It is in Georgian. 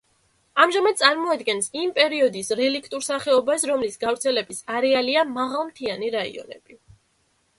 ამჟამად წარმოადგენს იმ პერიოდის რელიქტურ სახეობას, რომლის გავრცელების არეალია მაღალმთიანი რაიონები.